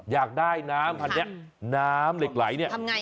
อยากได้น้ำเหล็กไหลเนี่ย